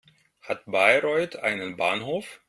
Hat Bayreuth einen Bahnhof?